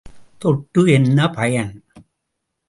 தொட்டு என்ன பயன்?